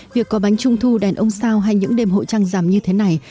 việc có bánh trung thu đèn ông sao hay những đêm hội trăng rằm như thế này